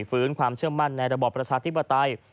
ฟื้นความเชื่อมั่นในระบอบประชาธิปไตย